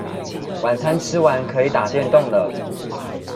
晚餐吃完可以打電動了